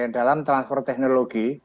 dalam transfer teknologi